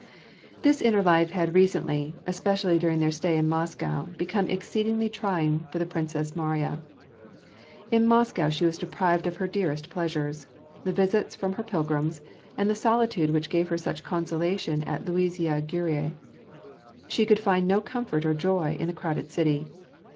This inner life had recently, especially during their stay in ?floscow, become exceedingly trying for the Princess Mariya. In Moscow she was deprived of her dearest pleasures, — the visits from her pilgrims, and the solitude which gave her such consolation at Luisiya Gorui : she could find no comfort or joy in the crowded city.